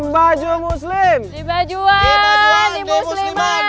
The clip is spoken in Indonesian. di bajuan di musliman di bajuan di musliman